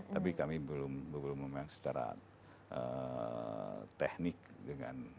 tapi kami belum memang secara teknik dengan